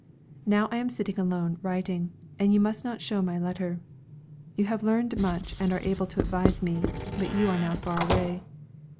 Now I am sitting alone writing, and you must not show my letter. You have learned much and are able to advise me, but you are now far away.